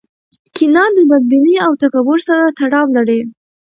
کینه د بدبینۍ او تکبر سره تړاو لري.